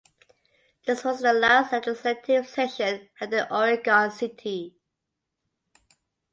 This was the last legislative session held in Oregon City.